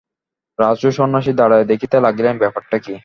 রাজ ও সন্ন্যাসী দাঁড়াইয়া দেখিতে লাগিলেন, ব্যাপারটা কি।